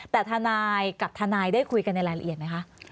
แต่ทนายกับทนายได้คุยกันในรายละเอียดไหมคะ